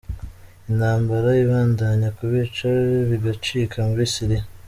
Intambara ibandanya kubica bigacika muri Syria.